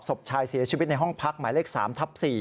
ศพชายเสียชีวิตในห้องพักหมายเลข๓ทับ๔